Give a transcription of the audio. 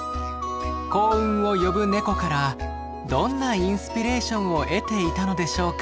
幸運を呼ぶネコからどんなインスピレーションを得ていたのでしょうか。